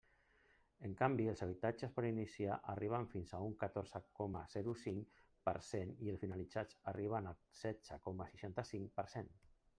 En canvi, els habitatges per iniciar arriben fins a un catorze coma zero cinc per cent i els finalitzats arriben al setze coma seixanta-cinc per cent.